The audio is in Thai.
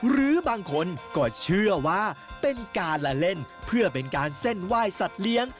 หรือบางคนก็เชื่อว่าเป็นการละเล่นเพื่อเป็นการเส้นไหว้สัตว์เลี้ยง